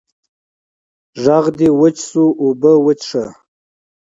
ږغ دي وچ سو، اوبه وڅيښه!